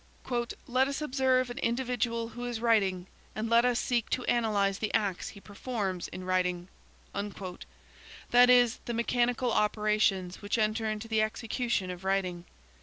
"Let us observe an individual who is writing, and let us seek to analyse the acts he performs in writing," that is, the mechanical operations which enter into the execution of writing.